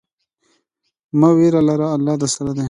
مه ویره لره، الله درسره دی.